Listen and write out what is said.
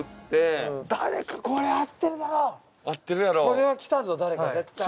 これはきたぞ誰か絶対。